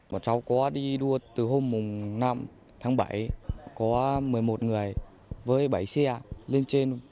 bọn cháu có đi đua từ hôm năm tháng bảy có một mươi một người với bảy xe lên trên